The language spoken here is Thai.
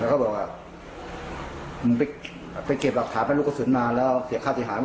แล้วเขาบอกว่ามึงไปเก็บอักษรแม่นลูกสุดมาแล้วเสียข้าวติหาร